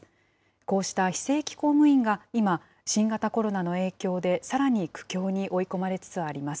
こうした非正規公務員が今、新型コロナの影響でさらに苦境に追い込まれつつあります。